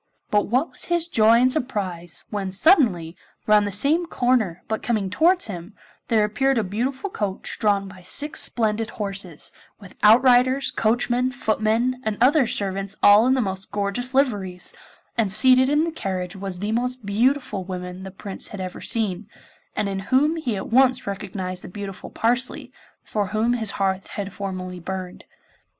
But what was his joy and surprise when suddenly, round the same corner, but coming towards him, there appeared a beautiful coach drawn by six splendid horses, with outriders, coachmen, footmen and other servants all in the most gorgeous liveries, and seated in the carriage was the most beautiful woman the Prince had ever seen, and in whom he at once recognised the beautiful Parsley, for whom his heart had formerly burned.